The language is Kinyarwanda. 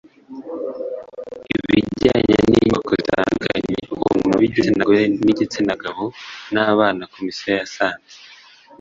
Ibijyanye n inyubako zitandukanye ku bantu b igitsina gore igitsina gabo n abana Komisiyo yasanze